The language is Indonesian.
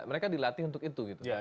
mereka dilatih untuk itu